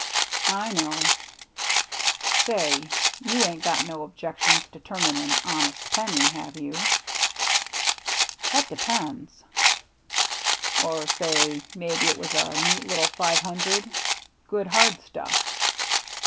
" I knowc Say, you ain't got no objections to turnin' an honest penny, have you ?" That depends." "Or say maybe it was a neat little five hundred — good hard stuflF."